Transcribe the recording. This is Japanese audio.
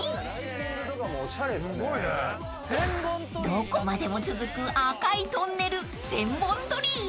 ［どこまでも続く赤いトンネル千本鳥居］